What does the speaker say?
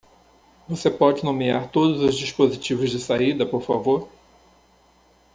Você pode nomear todos os dispositivos de saída, por favor?